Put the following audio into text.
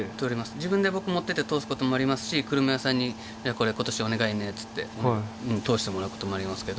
自分で僕持っていって通す事もありますし車屋さんに「じゃあこれ今年お願いね」っつって通してもらう事もありますけど。